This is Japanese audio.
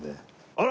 あら！